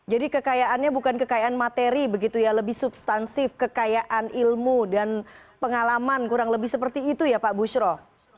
jadi kekayaannya bukan kekayaan materi begitu ya lebih substansif kekayaan ilmu dan pengalaman kurang lebih seperti itu ya pak bushro